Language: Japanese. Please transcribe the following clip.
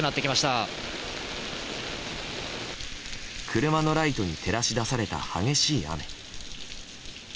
車のライトに照らし出された激しい雨。